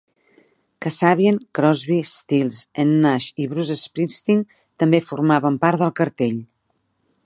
Kasabian, Crosby, Stills and Nash i Bruce Springsteen també formaven part del cartell.